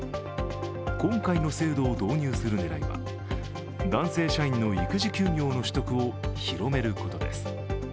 今回の制度を導入する狙いは男性社員の育児休業の取得を広めることです。